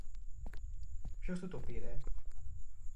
Ποιος του το πήρε;